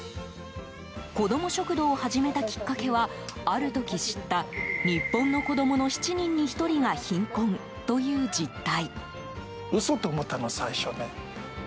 こども食堂を始めたきっかけはある時知った日本の子供の７人に１人が貧困という実態。